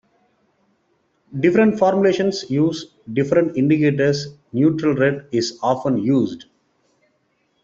Different formulations use different indicators; neutral red is often used.